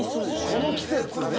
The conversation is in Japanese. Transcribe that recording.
この季節ね。